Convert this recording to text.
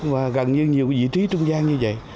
và gần như nhiều vị trí trung gian như vậy